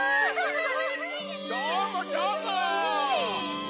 どーもどーも！